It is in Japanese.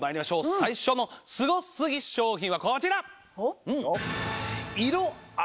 最初のスゴすぎ商品はこちら！